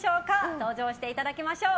登場していただきましょう。